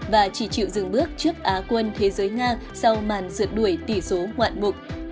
và chỉ chịu dừng bước trước á quân thế giới nga sau màn dượt đuổi tỷ số hoạn mục